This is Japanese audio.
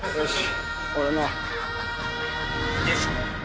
よし。